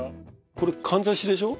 これかんざしでしょ？